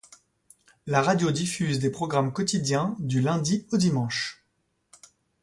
La radio diffuse des programmes quotidiens du lundi au dimanche.